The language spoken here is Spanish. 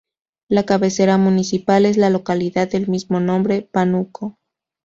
La cabecera municipal es la localidad del mismo nombre, Pánuco.